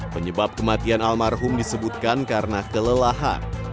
penyebab kematian almarhum disebutkan karena kelelahan